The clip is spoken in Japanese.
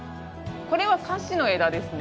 これはカシの枝ですね。